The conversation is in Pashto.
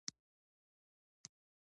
د ماش ګل د څه لپاره وکاروم؟